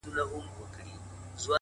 گراني شاعري ستا په خوږ ږغ كي ـ